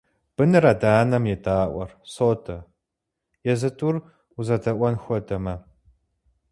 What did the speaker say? Быныр адэ-анэм едаӀуэр содэ, езы тӀур узэдэӀуэн хуэдэмэ.